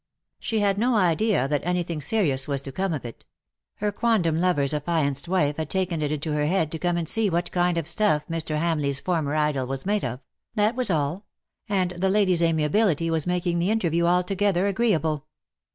She had no idea that anything serious was to come of it. Her quondam lover's afiianced wife had taken it into her head to come and see what kind of stuff Mr. Hamleigh's former idol was made of — that was all — and the lady's amiability was making the interview altogether agreeable.